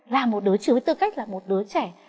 là một đứa trẻ